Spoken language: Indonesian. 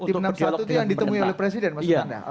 tim enam puluh satu itu yang ditemui oleh presiden maksud anda